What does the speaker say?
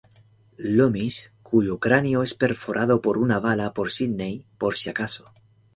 Loomis, cuyo cráneo es perforado con una bala por Sidney "por si acaso".